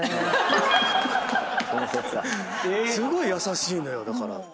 すごい優しいのよだから。